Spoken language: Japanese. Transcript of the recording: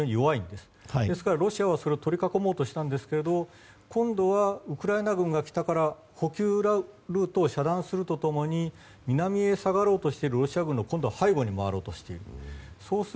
ですから、ロシアはそれを取り囲もうとしたんですが今度はウクライナ軍が来たので補給ルートを遮断すると共に南へ下がろうとしているロシア軍の背後に回ろうとしている。